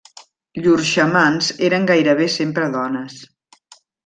Llurs xamans eren gairebé sempre dones.